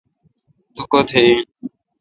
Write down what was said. تو کوتھ این۔